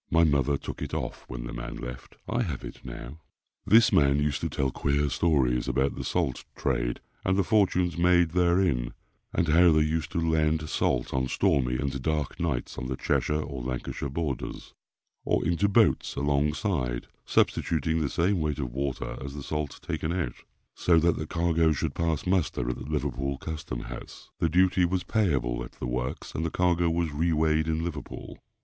My mother took it off when the man left. I have it now. This man used to tell queer stories about the salt trade, and the fortunes made therein, and how they used to land salt on stormy and dark nights on the Cheshire or Lancashire borders, or into boats alongside, substituting the same weight of water as the salt taken out, so that the cargo should pass muster at the Liverpool Custom House. The duty was payable at the works, and the cargo was re weighed in Liverpool.